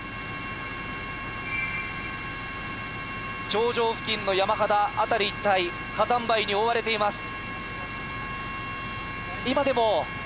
頂上付近の山肌辺り一帯火山灰に覆われています。